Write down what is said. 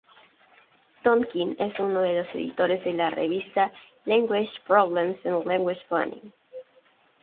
Tonkin es uno de los editores de la revista "Language Problems and Language Planning".